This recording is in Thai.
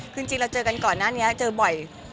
คือจริงเราเจอกันก่อนหน้านี้เจอบ่อย